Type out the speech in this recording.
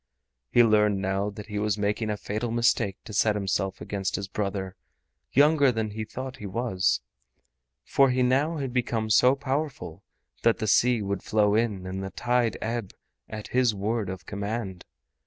He learned now that he was making a fatal mistake to set himself against his brother, younger than he thought he was, for he now had become so powerful that the sea would flow in and the tide ebb at his word of command.